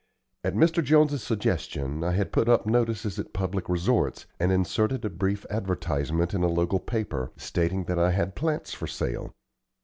At Mr. Jones's suggestion I had put up notices at public resorts, and inserted a brief advertisement in a local paper, stating that I had plants for sale.